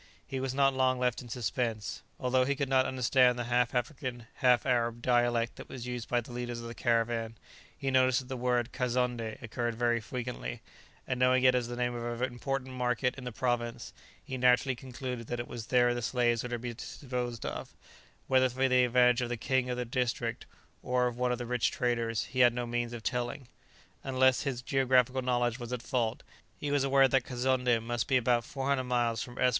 He was not long left in suspense. Although he could not understand the half African, half Arab dialect that was used by the leaders of the caravan, he noticed that the word Kazonndé occurred very frequently, and knowing it as the name of an important market in the province, he naturally concluded that it was there the slaves were to be disposed of; whether for the advantage of the king of the district, or of one of the rich traders, he had no means of telling. Unless his geographical knowledge was at fault, he was aware that Kazonndé must be about 400 miles from S.